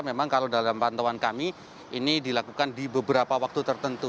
memang kalau dalam pantauan kami ini dilakukan di beberapa waktu tertentu